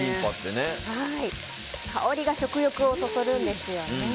香りが食欲をそそるんですよね。